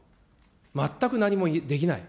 全く何もできない。